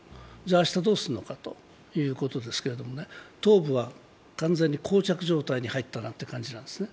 明日どうするのかということですけど、東部は完全に、こう着状態に入ったなという感じなんですね。